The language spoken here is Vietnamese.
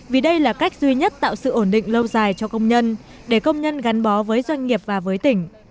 vì đây là cách duy nhất tạo sự ổn định lâu dài cho công nhân để công nhân gắn bó với doanh nghiệp và với tỉnh